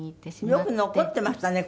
よく残っていましたね